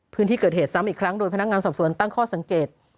พื้นที่เกิดเหตุซ้ำอีกครั้งโดยพนักงานสอบสวนตั้งข้อสังเกต